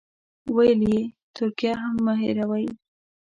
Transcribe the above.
ویل یې ترکیه هم مه هېروئ.